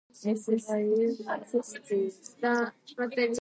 These hour-long radio programs were performed live before studio audiences.